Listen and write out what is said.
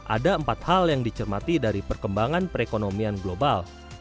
ada empat hal yang dicermati dari perkembangan perekonomian global